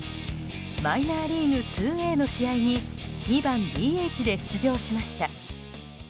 マイナーリーグ２Ａの試合に２番ＤＨで出場しました。